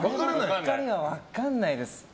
こればっかりは分かんないです。